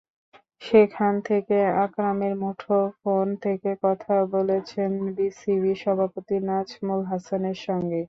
সেখান থেকে আকরামের মুঠোফোন থেকে কথা বলেছেন বিসিবি সভাপতি নাজমুল হাসানের সঙ্গে।